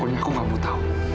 pun aku gak mau tahu